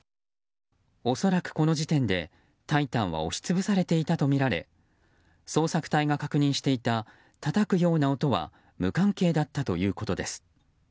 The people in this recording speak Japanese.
恐らく、この時点で「タイタン」は押し潰されていたとみられ捜索隊が確認していたたたくような音は無関係だったということです。